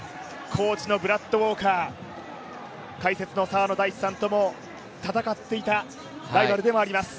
コーチのブラッド・ウォーカー澤野さんとも戦っていたライバルでもあります。